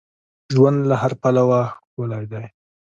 ژوند له هر پلوه ښکلی دی.